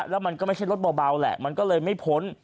แล้วมันก็ไม่ใช่รถเบาแหละมันก็เลยไม่พ้น